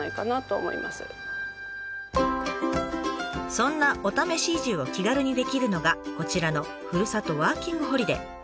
そんなお試し移住を気軽にできるのがこちらの「ふるさとワーキングホリデー」。